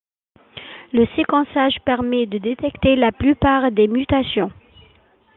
Le séquençage permet de détecter la plupart des mutations.